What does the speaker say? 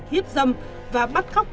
hiếp dâm và bắt khóc